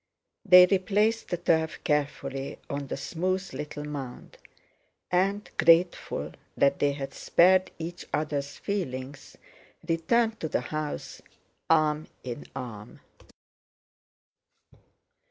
They replaced the turf carefully on the smooth little mound, and, grateful that they had spared each other's feelings, returned to the house arm in arm.